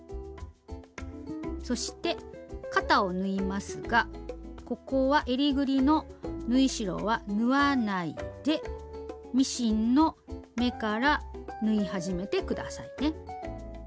そして肩を縫いますがここはえりぐりの縫い代は縫わないでミシンの目から縫い始めて下さいね。